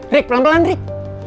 rik pelan pelan rik